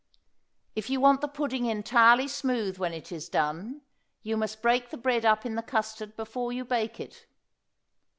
If you want the pudding entirely smooth when it is done, you must break the bread up in the custard before you bake it.